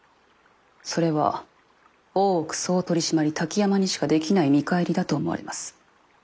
それは大奥総取締滝山にしかできない見返りだと思われます。